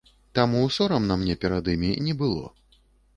Таму сорамна мне перад імі не было.